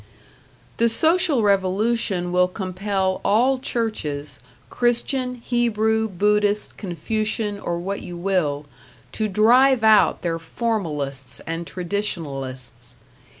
The Social Revolution will compel all churches, Christian, Hebrew, Buddhist, Confucian, or what you will, to drive out their formalists and traditionalists.